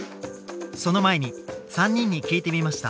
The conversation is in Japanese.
その前に３人に聞いてみました。